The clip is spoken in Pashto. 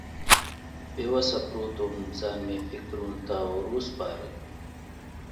بې وسه پروت وم، ځان مې فکرونو ته ور وسپاره.